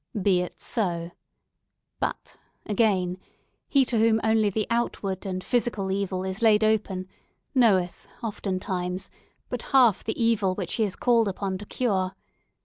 "Be it so! But again! He to whom only the outward and physical evil is laid open, knoweth, oftentimes, but half the evil which he is called upon to cure.